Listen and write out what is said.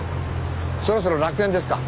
そろそろ楽園ですか。